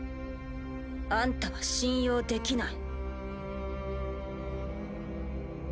あんたは信用できない。